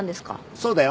そうだよ。